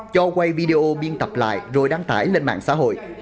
cho quay video biên tập lại rồi đăng tải lên mạng xã hội